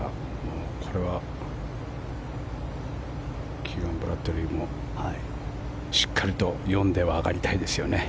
これはキーガン・ブラッドリーもしっかりと読んで上がりたいですよね。